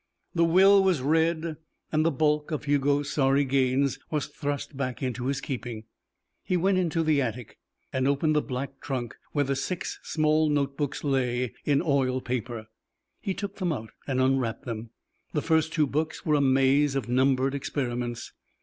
The will was read and the bulk of Hugo's sorry gains was thrust back into his keeping. He went into the attic and opened the black trunk where the six small notebooks lay in oilpaper. He took them out and unwrapped them. The first two books were a maze of numbered experiments.